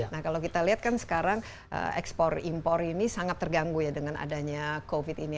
nah kalau kita lihat kan sekarang ekspor impor ini sangat terganggu ya dengan adanya covid ini